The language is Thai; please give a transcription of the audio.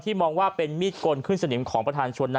มองว่าเป็นมีดกลขึ้นสนิมของประธานชนนั้น